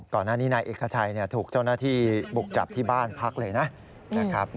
ก่อนหน้านี้นายเอกชัยถูกเจ้าหน้าที่บุกจับที่บ้านพักเลยนะ